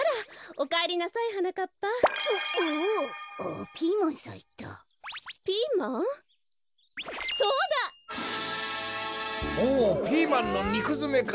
おっピーマンのにくづめか！